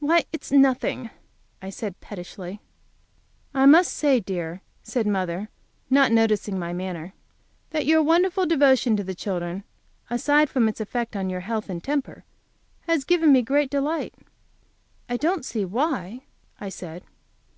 "Why, it's nothing," I said, pettishly. "I must say, dear," said mother, not noticing my manner, "that your wonderful devotion to the children, aside from its effect on your health and temper, has given me great delight." "I don't see why," I said.